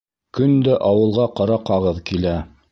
Көн дә ауылға ҡара ҡағыҙ килә.